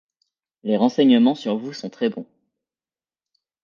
Les renseignements sur vous sont très bons.